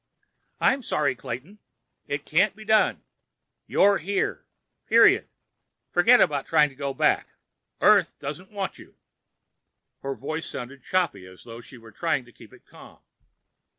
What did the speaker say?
"I'm sorry, Clayton. It can't be done. You're here. Period. Forget about trying to get back. Earth doesn't want you." Her voice sounded choppy, as though she were trying to keep it calm.